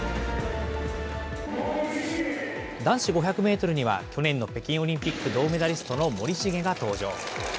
男子５００メートルには去年の北京オリンピック銅メダリストの森重が登場。